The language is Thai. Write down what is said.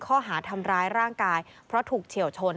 ข้อหาทำร้ายร่างกายเพราะถูกเฉียวชน